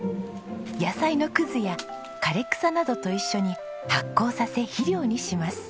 野菜のくずや枯れ草などと一緒に発酵させ肥料にします。